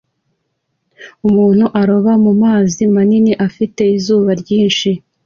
Umuntu uroba mumazi manini afite izuba ryinshi